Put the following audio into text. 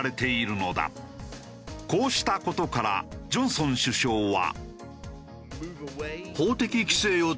こうした事からジョンソン首相は。